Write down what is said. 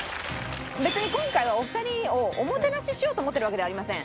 別に今回はお二人をおもてなししようと思ってるわけではありません。